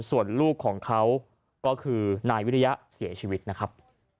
ส่วนลูกของเขาก็คือนายวิริยะเสียชีวิตนะครับ